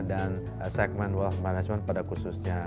dan segmen wealth management pada khususnya